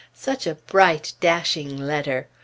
Such a bright, dashing letter!